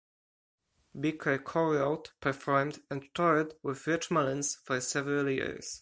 Beaker co-wrote, performed, and toured with Rich Mullins for several years.